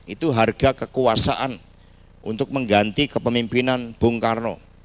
itu harga kekuasaan untuk mengganti kepemimpinan bung karno